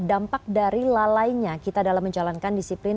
dampak dari lalainya kita dalam menjalankan disiplin